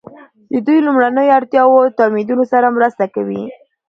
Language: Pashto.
د دوی لومړنیو اړتیاوو تامینیدو سره مرسته کوي.